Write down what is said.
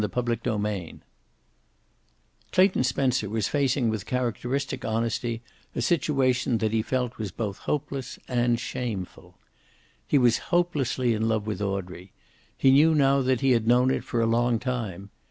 CHAPTER XXVII Clayton Spencer was facing with characteristic honesty a situation that he felt was both hopeless and shameful. He was hopelessly in love with Audrey. He knew now that he had known it for a long time.